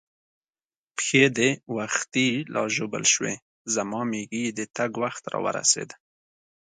پښې دې وختي لا ژوبل شوې، زما مېږي د تګ وخت را ورسېد.